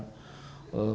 berapa orang yang peduli